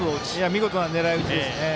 見事な狙い打ちです。